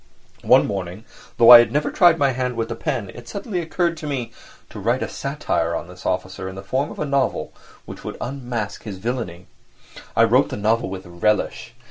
One morning, though I had never tried my hand with the pen, it suddenly occurred to me to write a satire on this officer in the form of a novel which would unmask his villainy. I wrote the novel with relish.